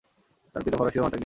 তার পিতা ফরাসি ও মাতা গ্রিক।